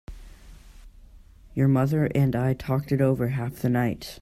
Your mother and I talked it over half the night.